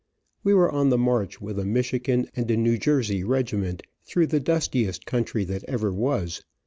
We were on the march with a Michigan and a New Jersey regiment, through the dustiest country that ever was.